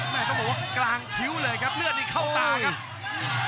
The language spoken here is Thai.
ต้องบอกว่ากลางคิ้วเลยครับเลือดนี่เข้าตาครับ